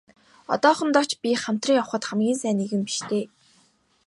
Одоохондоо ч би хамтран явахад хамгийн сайн нэгэн биш дээ.